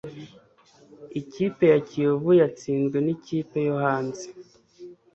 ikipe ya kiyovu yatsinzwe nikipe yohanze